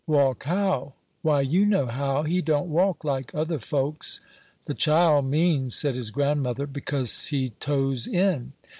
"Walk how?" "Why, you know how; he don't walk like other folks." "The child means," said his grandmother, "because he toes in."